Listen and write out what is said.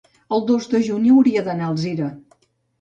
El dos de juny hauria d'anar a Alzira.